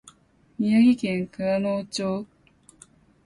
宮城県蔵王町